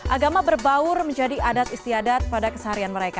agama berbaur menjadi adat istiadat pada keseharian mereka